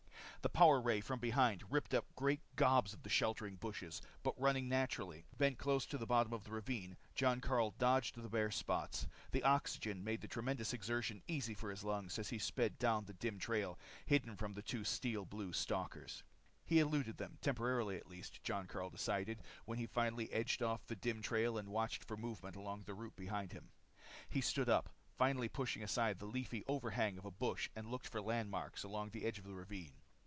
The power ray from behind ripped out great gobs of the sheltering bushes. But running naturally, bent close to the bottom of the ravine, Jon Karyl dodged the bare spots. The oxygen made the tremendous exertion easy for his lungs as he sped down the dim trail, hidden from the two steel blue stalkers. He'd eluded them, temporarily at least, Jon Karyl decided when he finally edged off the dim trail and watched for movement along the route behind him. He stood up, finally, pushed aside the leafy overhang of a bush and looked for landmarks along the edge of the ravine.